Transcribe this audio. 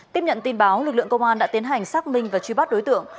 tiếp nhận tin báo lực lượng công an đã tiến hành xác minh và truy bắt đối tượng